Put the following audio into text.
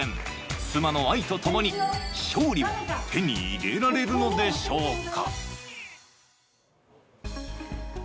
妻の愛とともに勝利を手に入れられるのでしょうか。